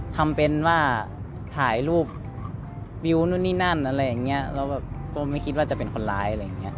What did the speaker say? ทำเป็นว่าถ่ายรูปอย่างนั้นก็ไม่คิดว่าเป็นคนร้าย